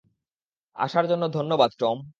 আসার জন্য ধন্যবাদ, টম।